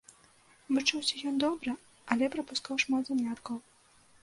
Вучыўся ён добра, але прапускаў шмат заняткаў.